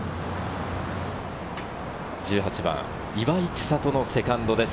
１８番、岩井千怜のセカンドです。